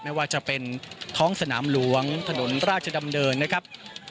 ไม่ว่าจะเป็นท้องสนามหลวงถนนราชดำเนินนะครับ